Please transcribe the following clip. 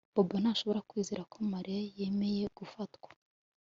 Bobo ntashobora kwizera ko Mariya yemeye gufatwa